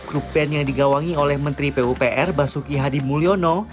grup band yang digawangi oleh menteri pupr basuki hadi mulyono